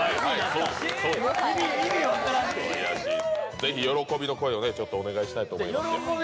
ぜひ喜びの声をぜひお願いしたいと思います。